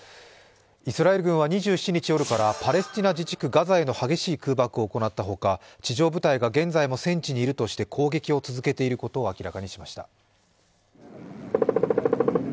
イスラエル軍は２７日夜からパレスチナ自治区ガザへの激しい空爆を行ったほか地上部隊が現在も現地にいるとして攻撃を続けていることを明らかにしました。